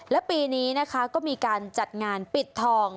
และปีนี้นะคะก็มีการจัดงานปิดทอง